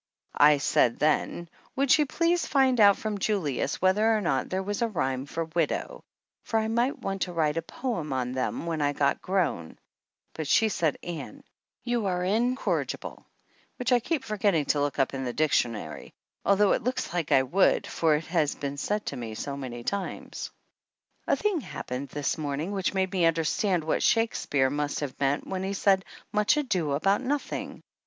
I said then would she please find out from Julius whether or not there was a rhyme for widow, for I might want to write a poem on them when I got grown, but she said, "Ann, you are incorri gible," which I keep forgetting to look up in the dictionary, although it looks like I would, for it has been said to me so many times. 153 THE ANNALS OF ANN A thing happened this morning which made me understand what Shakespeare must have meant when he said "Much Ado About Noth ing."